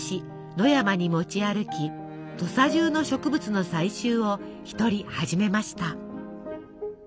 野山に持ち歩き土佐中の植物の採集を一人始めました。